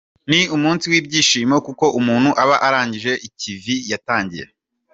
Ni umunsi w’ibyishimo kuko umuntu aba arangije ikivi yatangiye.